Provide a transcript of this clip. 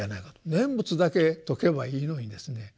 念仏だけ説けばいいのにですね